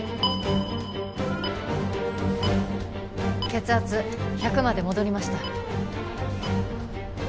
血圧１００まで戻りました。